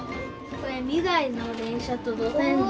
これ未来の電車と路線図。